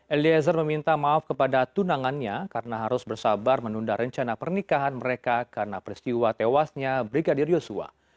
eliezer meminta maaf kepada tunangannya karena harus bersabar menunda rencana pernikahan mereka karena peristiwa tewasnya brigadir yosua